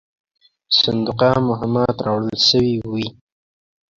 صندوقه مهمات راوړل سوي وې.